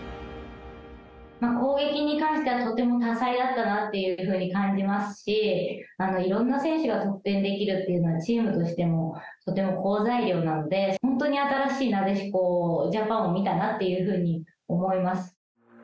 攻撃に関しては、とても多彩だったなっていうふうに感じますし、いろんな選手が得点できるというのは、チームとしてもとても好材料なので、本当に新しいなでしこジャパンを見たなっていうふうに思います。